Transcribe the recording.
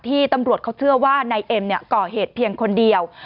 ตำรวจเขาเชื่อว่านายเอ็มก่อเหตุเพียงคนเดียว